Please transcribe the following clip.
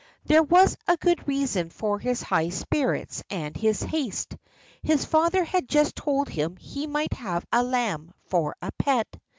There was a good reason for his high spirits and his haste. His father had just told him he might have a lamb for a pet.